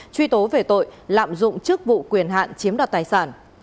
truy tố về tội lạm dụng chức vụ quyền hạn chiếm đoạt tài sản